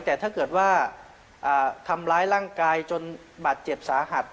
แต่ถ้าเกิดว่าทำร้ายร่างกายจนบาดเจ็บสาหัส